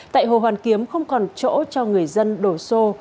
tại hồ hoàn kiếm không còn chỗ cho người dân đổ xô